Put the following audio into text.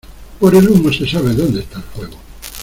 Por el humo se sabe donde está el fuego.